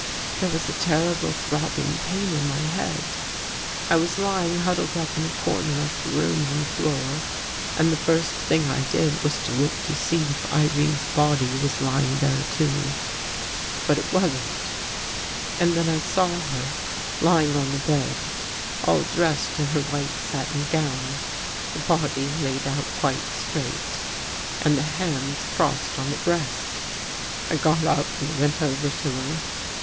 There was a terrible throbbing pain in my head. I was lying huddled up in a corner of the room on the floor and the first thing I did was to look to see if Irene's body was lying there too. But it wasn't. And then I saw her lying on the bed, all dressed in her white satin gown, the body laid out quite straight and the hands crossed on the breast. " I got up and went over to her.